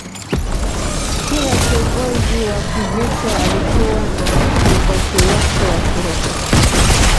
Kila kiongozi wa kivita alikuwa na kiongozi wake wa kiroho